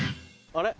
あれ？